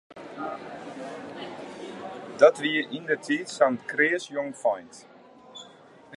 Dat wie yndertiid sa'n kreas jongfeint.